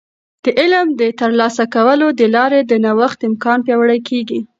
د علم د ترلاسه کولو د لارې د نوښت امکان پیاوړی کیږي.